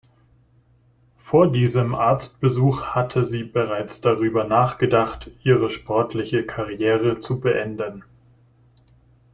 Vor diesem Arztbesuch hatte sie bereits darüber nachgedacht, ihre sportliche Karriere zu beenden.